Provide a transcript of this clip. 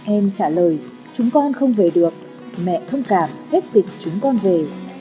em trả lời chúng con không về được mẹ thông cảm hết dịch chúng con về